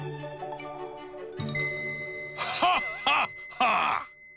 ハッハッハッ！